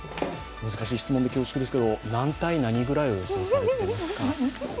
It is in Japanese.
難しい質問で恐縮ですけど、何対何を予想されていますか？